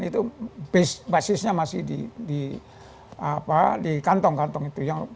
itu basisnya masih di kantong kantong itu